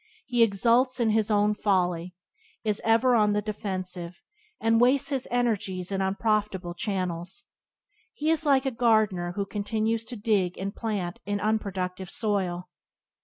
He exults in his own folly, is ever on the defensive, and wastes his energies in unprofitable channels. He is like a gardener who continues to dig and plant in unproductive soil.